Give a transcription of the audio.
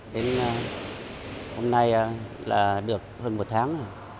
hôm nay là được hơn một tháng